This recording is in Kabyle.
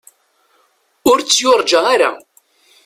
Ur tt-yurǧa ara.